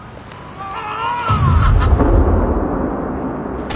ああ。